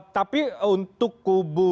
tapi untuk kubu